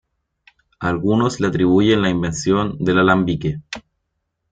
Algunos le atribuyen la invención del alambique.